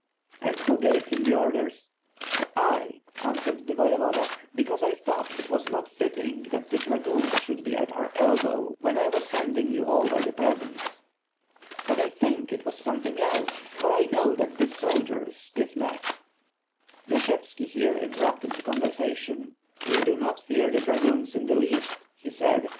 "And who gave him the orders?" "I," answered the Voyevoda, "because I thought it was not fitting that the dragoons should be at our elbow when I was handing you over the presents." "But I think it was something else, for I know that this soldier is stiff necked." Yashevski here interrupted the conversation. "We do not fear the dragoons in the least," he said.